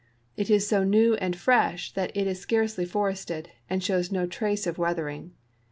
It is so new and fresh that it is scarcely forested, and shows no trace of weathering.